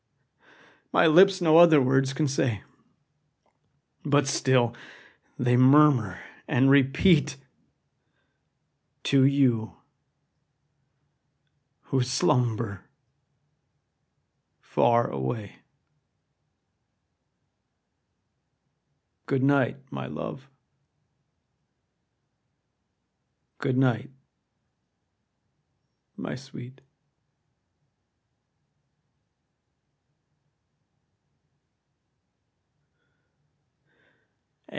My lips no other words can say, But still they murmur and repeat To you, who slumber far away, Good night, my love! good night, my sweet!